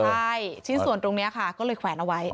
ใช่ชิ้นส่วนตรงนี้ค่ะก็เลยแขวนเอาไว้